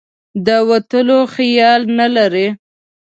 د وتلو خیال نه لري.